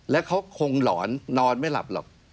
แล้วเขาคงหลอนนอนไม่หลับหรอก